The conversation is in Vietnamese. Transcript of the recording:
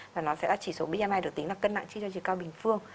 và nó sẽ là chỉ số bmi được tính là cân nặng chia cho chiều cao bình phương